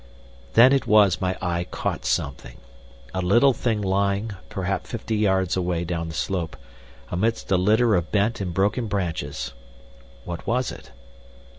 Then it was my eye caught something—a little thing lying, perhaps fifty yards away down the slope, amidst a litter of bent and broken branches. What was it?